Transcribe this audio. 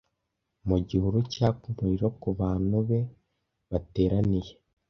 mu gihuru cyaka umuriro kubantu be bateraniye